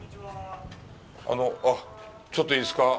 あのう、ちょっといいですか。